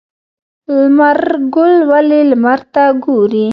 لمر ګل ولې لمر ته ګوري؟